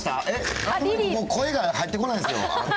えっ、声が入ってこないんですよ。